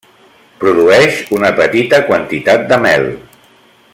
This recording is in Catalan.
Produeix una petita quantitat de mel.